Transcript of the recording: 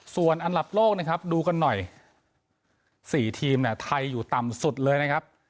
ส่วนอันดับโลกนะครับดูกันหน่อย๔ทีมเนี่ยไทยอยู่ต่ำสุดเลยนะครับ